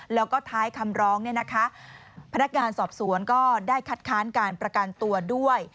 แล้วก็ท้ายคำร้องพนักงานสอบสวนก็ได้คัดค้านการประกันตัวด้วย